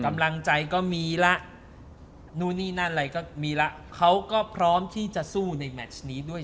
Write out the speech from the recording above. กำลังใจก็มีละนู่นนี่นั่นอะไรก็มีแล้วเขาก็พร้อมที่จะสู้ในแมชนี้ด้วย